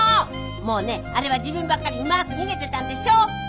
もうねあれは自分ばっかりうまく逃げてたんでしょ。